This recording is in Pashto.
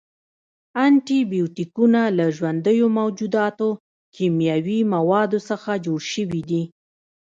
انټي بیوټیکونه له ژوندیو موجوداتو، کیمیاوي موادو څخه جوړ شوي دي.